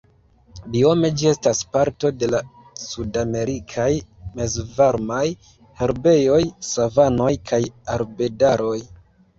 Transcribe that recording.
Biome ĝi estas parto de la sudamerikaj mezvarmaj herbejoj, savanoj kaj arbedaroj.